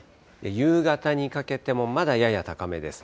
夕方にかけてもまだやや高めです。